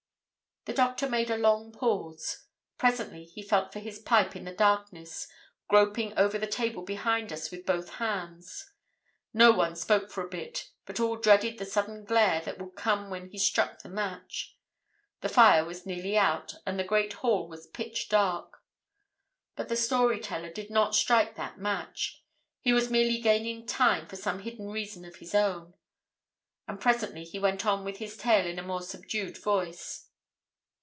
'" The doctor made a long pause. Presently he felt for his pipe in the darkness, groping over the table behind us with both hands. No one spoke for a bit, but all dreaded the sudden glare that would come when he struck the match. The fire was nearly out and the great hall was pitch dark. But the story teller did not strike that match. He was merely gaining time for some hidden reason of his own. And presently he went on with his tale in a more subdued voice.